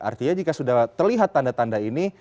artinya jika sudah terlihat tanda tanda ini